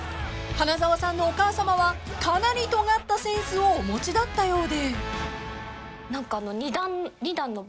［花澤さんのお母さまはかなりとがったセンスをお持ちだったようで］